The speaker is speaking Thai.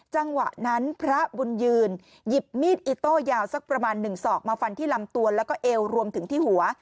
จังหวะนั้นพระบุญยืนหยิบมีดอิโต้ยาวสักประมาณ๑ศอกมาฟันที่ลำตัวแล้วก็เอวรวมถึงที่หัว